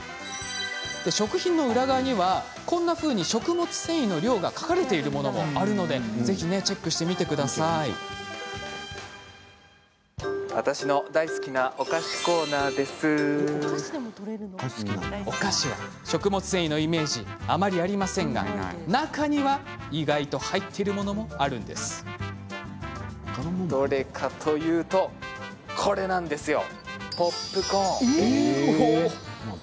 食品の裏側にはこんなふうに食物繊維の量が書かれているものもあるので是非ねチェックしてみて下さいお菓子は食物繊維のイメージあまりありませんが中には意外と入ってるものもあるんですこれなんですよ！